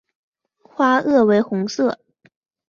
花萼为红色。